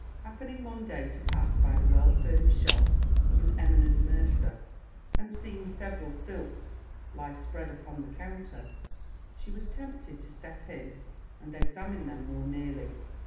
Happening one day to pass by the well furnished shop of an eminent mercer, and seeing several silks lie spread upon the counter, she was tempted to step in, and examine them more nearly.